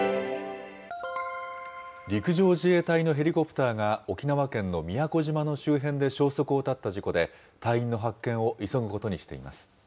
陸上自衛隊のヘリコプターが沖縄県の宮古島の周辺で消息を絶った事故で、隊員の発見を急ぐことにしています。